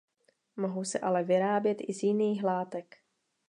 Mohou se ale vyrábět i z jiných látek.